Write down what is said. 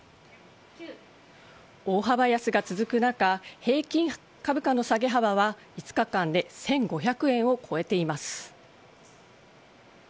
大幅安が続く中平均株価の下げ幅は５日間で１５００円を超えています。